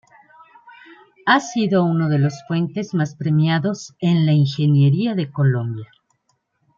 Ha sido uno de los puentes más premiados en la ingeniería de Colombia.